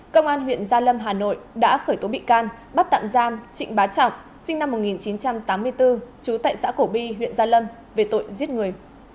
công an huyện gia lâm hà nội đã khởi tố bị can bắt tạm giam trịnh bá trọng sinh năm một nghìn chín trăm tám mươi bốn trú tại xã cổ bi huyện gia lâm về tội giết người